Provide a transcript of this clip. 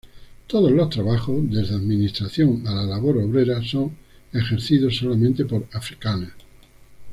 Todos los trabajos, desde administración a la labor obrera, son ejercidos solamente por afrikáner.